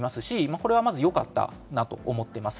これはよかったなと思っています。